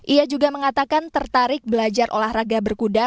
ia juga mengatakan tertarik belajar olahraga berkuda